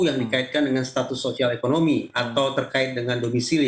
yang dikaitkan dengan status sosial ekonomi atau terkait dengan domisili